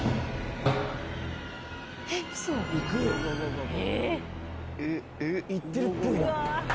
えっウソ⁉行ってるっぽいな。